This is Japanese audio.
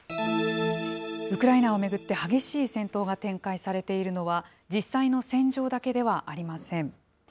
ウクライナを巡って激しい戦闘が展開されているのは、実際の戦場だけではありません。